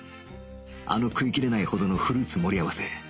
あの食い切れないほどのフルーツ盛り合わせ